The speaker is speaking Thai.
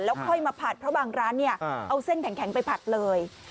ค่อยมาผัดเพราะบางร้านเนี่ยเอาเส้นแข็งไปผัดเลย